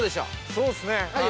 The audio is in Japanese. ◆そうですね。